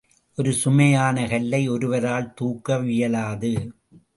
ஒரு சுமையான கல்லை ஒருவரால் தூக்கவியலாது.